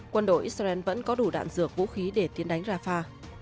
quân đội israel vẫn có đủ đạn dược vũ khí để tiến đánh rafah